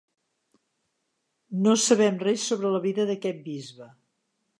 No sabem res sobre la vida d'aquest bisbe.